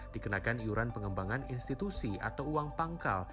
dikenakan iuran pengembangan institusi atau uang pangkal